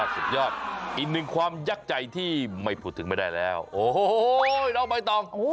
สุดยอดอีกหนึ่งความยักษ์ใจที่ไม่พูดถึงไม่ได้แล้วโอ้โหน้องใบตอง